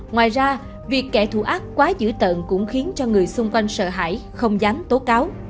ngoài ra việc kẻ thù ác quá dữ tận cũng khiến cho người xung quanh sợ hãi không dám tố cáo